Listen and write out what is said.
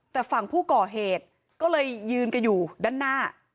แต่ฝั่งผู้ก่อเหตุก็เลยยืนกันอยู่ด้านหน้า